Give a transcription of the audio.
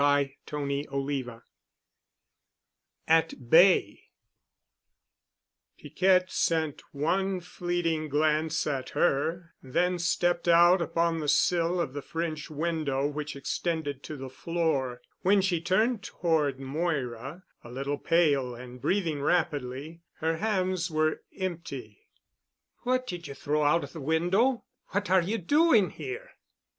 *CHAPTER XVIII* *AT BAY* Piquette sent one fleeting glance at her, then stepped out upon the sill of the French window which extended to the floor. When she turned toward Moira, a little pale and breathing rapidly, her hands were empty. "What did you throw out of the window? What are you doing here?"